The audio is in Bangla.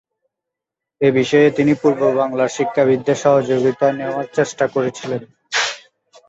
এ বিষয়ে তিনি পূর্ব বাংলার শিক্ষাবিদদের সহযোগিতা নেওয়ার চেষ্টা করেছিলেন।